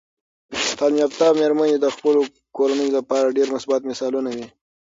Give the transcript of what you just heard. تعلیم یافته میرمنې د خپلو کورنیو لپاره ډیر مثبت مثالونه وي.